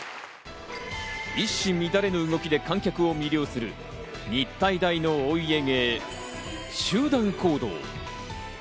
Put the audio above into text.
一糸乱れぬ動きで観客を魅了する日体大のお家芸、集団行動。